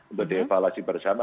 untuk di evaluasi bersama